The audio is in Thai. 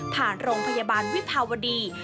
ผ่านโรงพยาบาลวิภาวดี